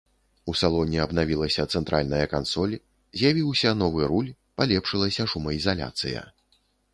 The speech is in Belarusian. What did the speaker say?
У салоне абнавілася цэнтральная кансоль, з'явіўся новы руль, палепшылася шумаізаляцыя.